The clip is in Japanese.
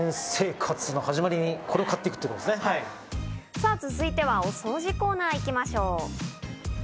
さぁ、続いてはお掃除コーナーに行きましょう。